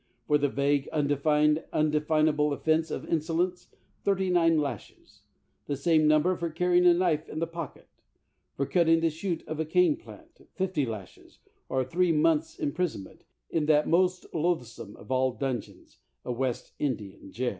For the vague, undefined, undefinable offense of insolence, thirty nine lashes; the same number for carrying a knife in the pocket; for cutting the shoot of a cane plant, fifty lashes, or three months' imprisonment in that most loathsome of all dungeons, a West Indian jail.